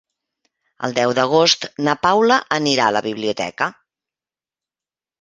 El deu d'agost na Paula anirà a la biblioteca.